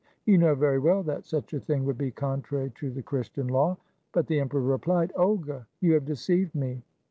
"You know very well that such a thing would be contrary to the Christian law!" But the emperor replied, "Olga, you have deceived me."